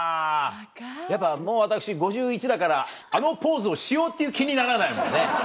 もう私５１歳だからあのポーズをしようっていう気にならないもんね。